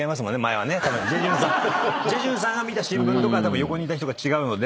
ジェジュンさんが見た新聞とかはたぶん横にいた人が違うので。